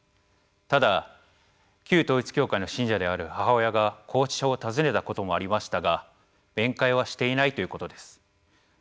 ただ旧統一教会の信者である母親が拘置所を訪ねたこともありましたが面会はしていないということです。